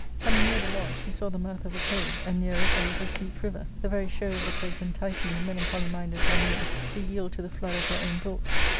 Coming near the lodge, she saw the mouth of a cave, and near it a litde sweet river, the very show of the place enticing the me lancholy mind of Zelmane to yield to the flood of her own thoughts.